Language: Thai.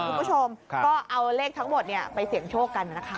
คุณผู้ชมครับก็เอาเลขทั้งหมดเนี่ยไปเสี่ยงโชคกันนะครับ